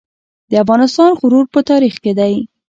د افغانستان غرور په تاریخ کې دی